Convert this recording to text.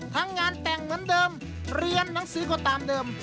งานแต่งเหมือนเดิมเรียนหนังสือก็ตามเดิม